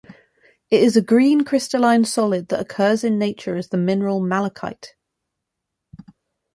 It is a green crystalline solid that occurs in nature as the mineral malachite.